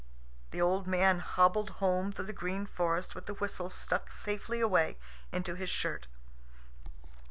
The old man hobbled home through the green forest with the whistle stuck safely away into his shirt.